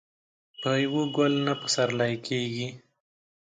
په يوه ګل نه پسرلی کېږي.